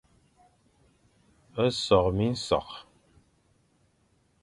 Sokh minsokh,